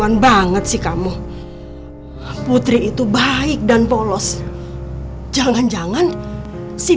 apa gue kesana juga ya